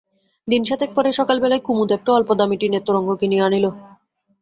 দিন সাতেক পরে সকালবেলায় কুমুদ একটা অল্পদামি টিনের তোরঙ্গ কিনিয়া আনিল।